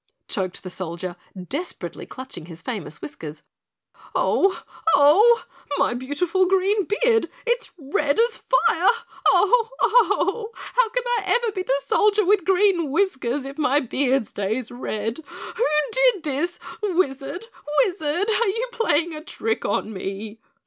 choked the Solider, desperately clutching his famous whiskers. "Oh! Oh! My beautiful green beard it's red as fire. Oh! Oh! How can I ever be the Soldier with Green Whiskers if my beard stays red? Who did this? Wizard! Wizard, are you playing a trick on me?"